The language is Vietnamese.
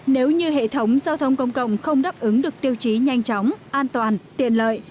nếu như hệ thống giao thông công cộng không đáp ứng được tiêu chí nhanh chóng an toàn tiện lợi